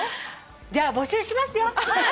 じゃあ募集しますよ。